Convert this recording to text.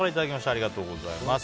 ありがとうございます。